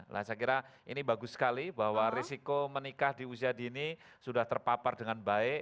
nah saya kira ini bagus sekali bahwa risiko menikah di usia dini sudah terpapar dengan baik